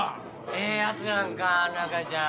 ええ奴やんか中ちゃん。